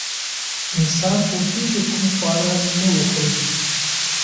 انسان پوهېږي کوم خواړه نه وخوري.